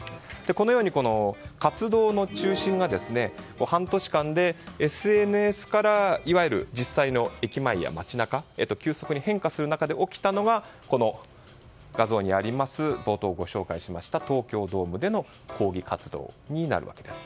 このように活動の中心が半年間でＳＮＳからいわゆる実際の駅前や街中に急速に変化する中で起きたのがこの画像にあります冒頭、ご紹介した東京ドームでの抗議活動になります。